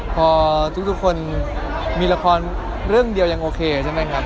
พอทุกคนมีละครเรื่องเดียวยังโอเคใช่ไหมครับ